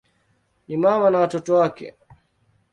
Ni mama na watoto wake.